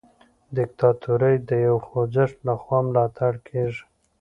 دیکتاتوري د یو خوځښت لخوا ملاتړ کیږي.